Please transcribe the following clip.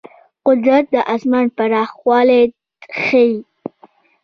قدرت د آسمان پراخوالی ښيي.